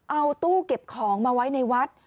เอาตู้เก็บของมาไว้ในวัด